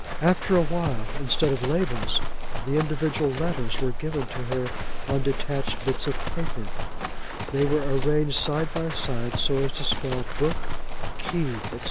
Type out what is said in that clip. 'After a while, instead of labels, the individual letters were given to her on detached bits of paper: they were arranged side by side so as to spell book, key, &c.